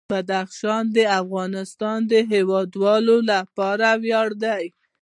بدخشان د افغانستان د هیوادوالو لپاره ویاړ دی.